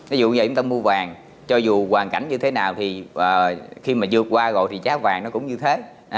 ví dụ như vậy chúng ta mua vàng cho dù hoàn cảnh như thế nào thì khi mà vượt qua rồi thì trá vàng nó cũng như thế